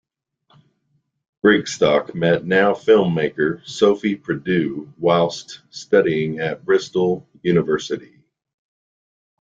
Brigstocke met now film-maker Sophie Prideaux whilst studying at Bristol University.